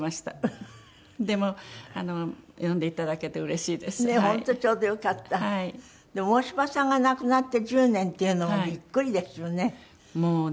でも大島さんが亡くなって１０年っていうのもビックリですよね。